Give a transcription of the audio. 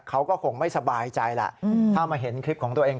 เขาก็คงไม่สบายใจแหละถ้ามาเห็นคลิปของตัวเอง